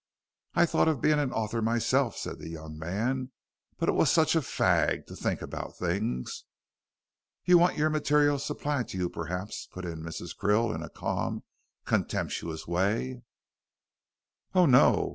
"I thought of being an author myself," said the young man, "but it was such a fag to think about things." "You want your material supplied to you perhaps," put in Mrs. Krill in a calm, contemptuous way. "Oh, no!